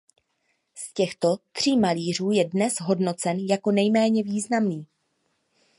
Z těchto tří malířů je dnes hodnocen jako nejméně významný.